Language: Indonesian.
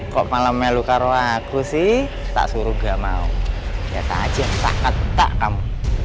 kok malam melukar waku sih tak suruh gak mau ya takjil takat tak kamu